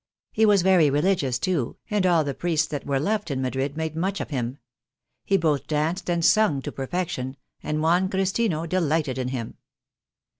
He was very religious, too, and all the priests that were left in Madrid made much of him. He both danced and sung to perfection, and Juan Christino dehghted in him.